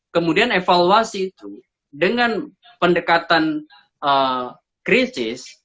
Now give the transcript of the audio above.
kemudian evaluasi itu dengan pendekatan kritis